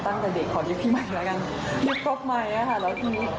ตั้งแต่ก่อนนะคะหวับเห็นตุ๊กตาคนไหนแต่งแดคควีนค่ะ